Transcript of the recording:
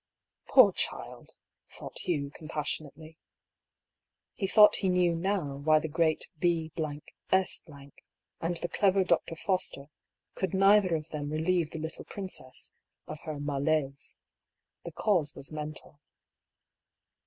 " Poor child !" thought Hugh, compassionately. He thought he knew now why the great B— S and the clever Dr. Foster could neither of them re lieve the little princess of her malaise. The cause was mental.